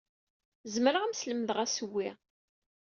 Zemreɣ ad am-slemdeɣ asewwi.